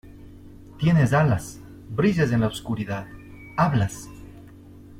¡ Tienes alas! ¡ brillas en la oscuridad !¡ hablas !